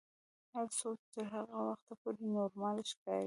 هر څوک تر هغه وخته پورې نورمال ښکاري.